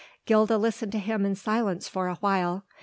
Gilda listened to him in silence for awhile.